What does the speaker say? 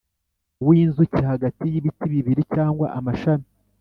W inzuki hagati y ibiti bibiri cyangwa amashami